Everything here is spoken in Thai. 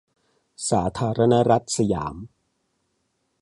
สาธารณรัฐสยาม